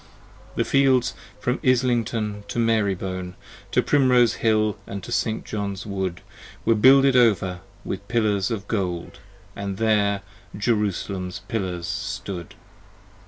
The fields from Islington to Marybone, To Primrose Hill and Saint John's Wood, 20 Were builded over with pillars of gold, And there Jerusalem's pillars stood.